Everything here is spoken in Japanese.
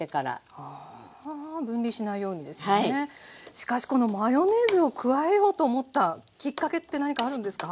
しかしこのマヨネーズを加えようと思ったきっかけって何かあるんですか？